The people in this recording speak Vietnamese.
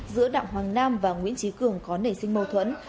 giữa đặng hoàng nam và nguyễn trí cường có nảy sinh mâu thuẫn